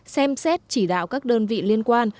xem xét chỉ đạo các đơn vị liên quan